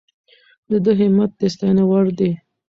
د ده همت د ستاینې وړ دی.